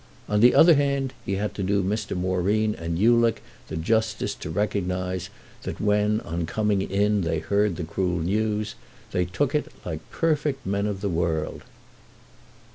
On the other hand he had to do Mr. Moreen and Ulick the justice to recognise that when on coming in they heard the cruel news they took it like perfect men of the world.